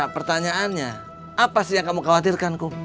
pertanyaannya apa sih yang kamu khawatirkan kum